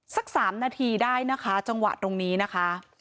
สักสามนาทีได้นะคะจังหวะตรงนี้นะคะ